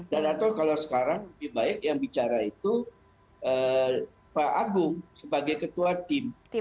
dan atau kalau sekarang lebih baik yang bicara itu pak agung sebagai ketua tim